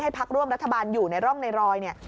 ให้พักร่วมรัฐบาลอยู่ในร่องในรอย